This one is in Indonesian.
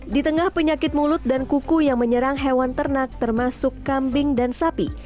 di tengah penyakit mulut dan kuku yang menyerang hewan ternak termasuk kambing dan sapi